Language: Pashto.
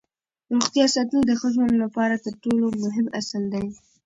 روغتیا ساتل د ښه ژوند لپاره تر ټولو مهم اصل دی